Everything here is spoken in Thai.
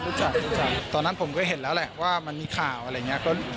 รู้จักรู้จักตอนนั้นผมก็เห็นแล้วแหละว่ามันมีข่าวอะไรอย่างเงี้ย